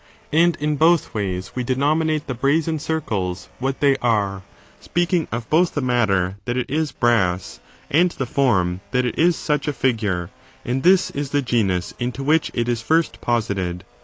And in both ways we denominate the brazen circles w}iat they are, speaking of both the matter that it is brass, and the form that it is such a figure, and this is the genus into which it is first posited.